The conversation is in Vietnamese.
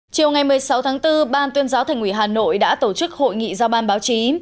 chiều ngày một mươi sáu tháng bốn ban tuyên giáo thành ủy hà nội đã tổ chức hội nghị giao ban báo chí